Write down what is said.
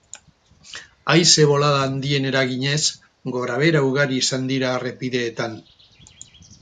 Haize bolada handien eraginez, gorabehera ugari izan dira errepideetan.